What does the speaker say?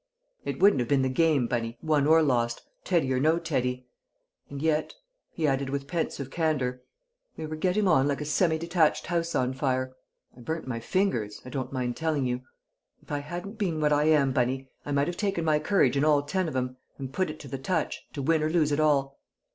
"It wouldn't have been the game, Bunny won or lost Teddy or no Teddy: And yet," he added, with pensive candour, "we were getting on like a semi detached house on fire! I burnt my fingers, I don't mind telling you; if I hadn't been what I am, Bunny, I might have taken my courage in all ten of 'em, and 'put it to the touch, to win or lose it all.'"